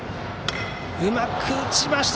うまく打ちました。